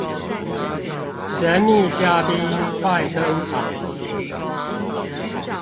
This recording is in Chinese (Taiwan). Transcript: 神祕嘉賓快登場了